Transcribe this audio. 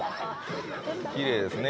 きれいですね